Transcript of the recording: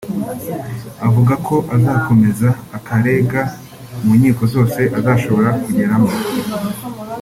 avuga ko azakomeza akarega mu nkiko zose azashobora kugeramo